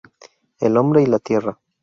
El hombre y la Tierra".